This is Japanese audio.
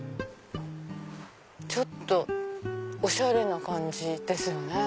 ちょっとおしゃれな感じですよね。